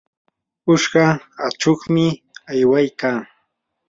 uqsha achuqmi aywaykaa.